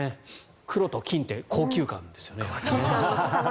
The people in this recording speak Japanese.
黒と金って高級感ですよね。